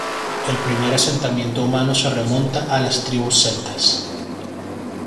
El primer asentamiento humano se remonta a las tribus celtas.